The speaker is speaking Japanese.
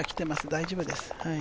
大丈夫です。